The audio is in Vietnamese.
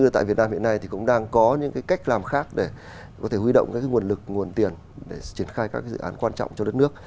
tại việt nam hiện nay thì cũng đang có những cái cách làm khác để có thể huy động các nguồn lực nguồn tiền để triển khai các dự án quan trọng cho đất nước